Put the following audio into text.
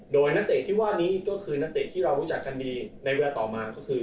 โดยนักเตะที่ว่านี้ก็คือนักเตะที่เรารู้จักกันดีในเวลาต่อมาก็คือ